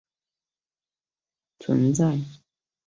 上福冈市是崎玉县南部的一个已不存在的市。